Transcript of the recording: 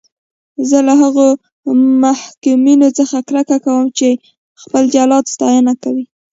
زه له هغو محکومینو څخه کرکه کوم چې خپل جلاد ستاینه کوي.